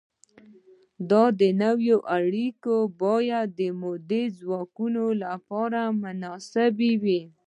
دا نوې اړیکې باید د مؤلده ځواکونو لپاره مناسبې وي.